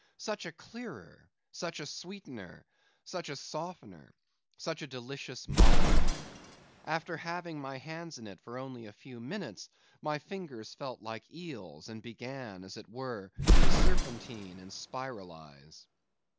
Such a clearer! such a sweetener! such a softener! such a delicious molifier! After having my hands in it for only a few minutes, my fingers felt like eels, and began, as it were, to serpentine and spiralise.